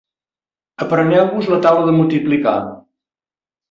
Apreneu-vos la taula de multiplicar.